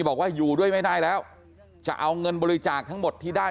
บอกว่าอยู่ด้วยไม่ได้แล้วจะเอาเงินบริจาคทั้งหมดที่ได้